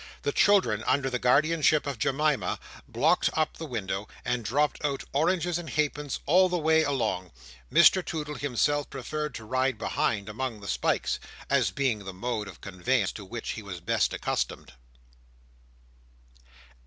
The children, under the guardianship of Jemima, blocked up the window, and dropped out oranges and halfpence all the way along. Mr Toodle himself preferred to ride behind among the spikes, as being the mode of conveyance to which he was best accustomed.